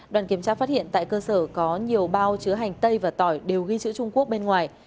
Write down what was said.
đoàn kiểm tra phát hiện tại cơ sở có nhiều bao chữa hành tây và tỏi đều ghi chữ trung quốc bên ngoài